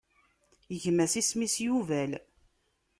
Gma-s isem-is Yubal.